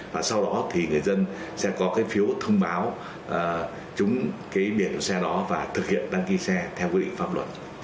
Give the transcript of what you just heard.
và sau đó thì người dân sẽ có cái phiếu thông báo trúng cái biển xe đó và thực hiện đăng ký xe theo quy định pháp luật